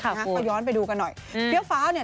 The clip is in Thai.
ครับคุณคุณย้อนไปดูกันหน่อยฟิ้วฟ้าวเนี่ย